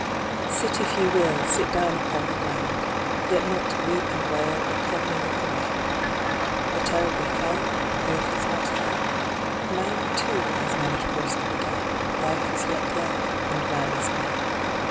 Sit if ye will, sit down upon the ground, Yet not to weep and wail, but calmly look around. Whate'er befell, Earth is not hell ; Now, too, as when it first began, Life is yet life, and man is man.